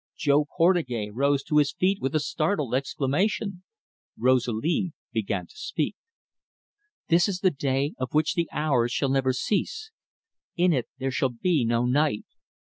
Jo Portugais rose to his feet with a startled exclamation. Rosalie began to speak. "This is the day of which the hours shall never cease in it there shall be no night.